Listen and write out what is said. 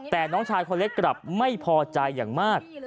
แต่น้องชายคนเล็กกลับไม่พอใจอย่างมาก